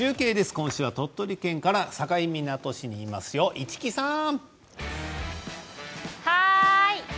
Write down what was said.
今週は鳥取県から境港市にいますよ、市来さん！